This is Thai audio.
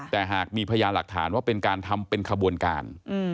แต่หากมีพยานหลักฐานว่าเป็นการทำเป็นขบวนการ